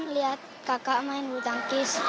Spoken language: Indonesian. lihat kakak main bulu tangkis